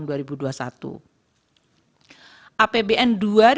undang undang apbn dua ribu dua puluh dua